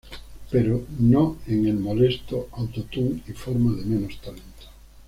Pero no en el molesto, auto-tune, y forma de menos talento.